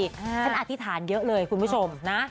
ฉันอธิษฐานเยอะเลยคุณผู้ชมนะ